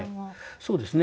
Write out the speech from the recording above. そうですね